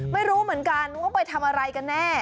ไม่รู้เหมือนกันว่าเขาไปทำอะไรกันแน่